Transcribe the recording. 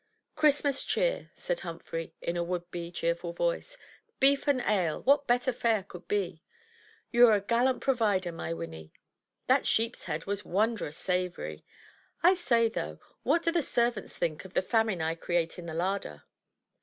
"Christmas cheer," said Humphrey, in a would be cheerful voice. "Beef and ale, — what better fare could be? You are a gallant provider, my Winnie. That sheep's head was wondrous savory. I say though, what do the servants think of the famine I create in the larder?"